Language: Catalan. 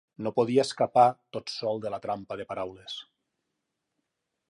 No podia escapar tot sol de la trampa de paraules.